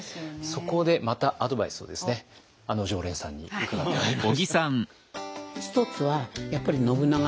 そこでまたアドバイスをですねあの常連さんに伺ってまいりました。